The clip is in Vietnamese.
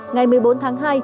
ngày một mươi bốn tháng hai